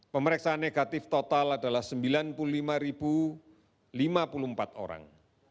pemeriksaan negatif total adalah sembilan puluh lima lima puluh empat orang